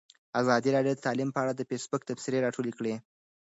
ازادي راډیو د تعلیم په اړه د فیسبوک تبصرې راټولې کړي.